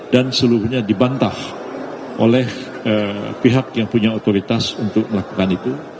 dan seluruhnya dibantah oleh pihak yang punya otoritas untuk melakukan itu